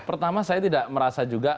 pertama saya tidak merasa juga